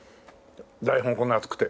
台本こんな厚くて。